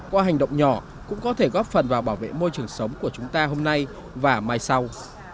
qua hành động nhỏ cũng có thể góp phần vào bảo vệ môi trường sống của chúng ta hôm nay và mai sau